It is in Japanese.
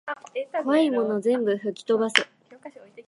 こわいもの全部ふきとばせ